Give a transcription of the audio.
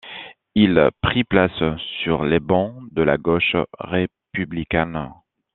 Il prit place sur les bancs de la gauche républicaine.